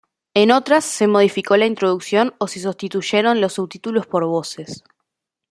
En otras se modificó la introducción o se sustituyeron los subtítulos por voces.